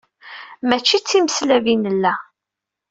Mačči d timeslab i nella.